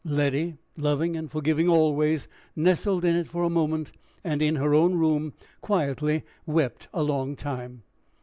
Letty, loving and forgiving always, nestled in it for a moment, and in her own room quietly wept a long time.